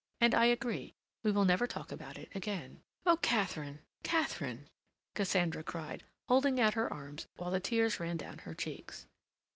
"And I agree. We will never talk about it again." "Oh, Katharine, Katharine!" Cassandra cried, holding out her arms while the tears ran down her cheeks.